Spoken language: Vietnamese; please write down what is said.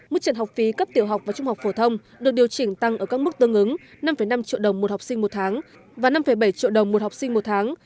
mức trận học phí cấp tiểu học và trung học phổ thông được điều chỉnh tăng ở các mức tương ứng năm năm triệu đồng một học sinh một tháng và năm bảy triệu đồng một học sinh một tháng